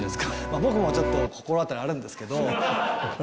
僕もちょっと、心当たりあるんですけど。